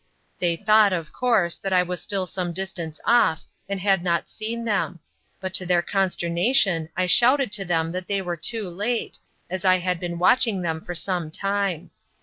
They thought, of course, that I was still some distance off and had not seen them, but to their consternation I shouted to them that they were too late, as I had been watching them for some time.